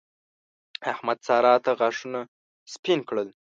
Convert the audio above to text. احمد؛ سارا ته غاښونه سپين کړل.